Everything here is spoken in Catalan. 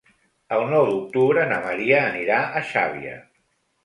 El nou d'octubre na Maria anirà a Xàbia.